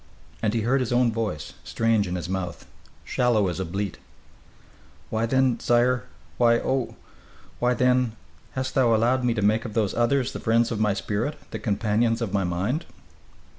And he heard his own voice, strange in his mouth, shallow as a bleat: "Why, then, sire why, oh! why, then, hast thou allowed me to make of those others the friends of my spirit, the companions of my mind?"